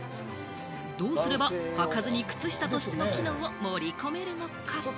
どうすれば、はかずに靴下としての機能を盛り込めるのか？